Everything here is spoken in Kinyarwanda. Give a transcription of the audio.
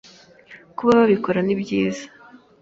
Kuba babikora ni byiza